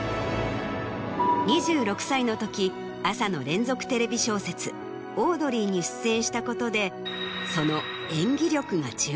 ２６歳の時朝の連続テレビ小説『オードリー』に出演したことでその。